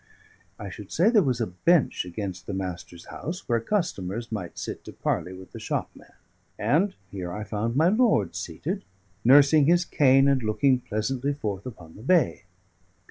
I should say there was a bench against the Master's house, where customers might sit to parley with the shopman; and here I found my lord seated, nursing his cane and looking pleasantly forth upon the bay.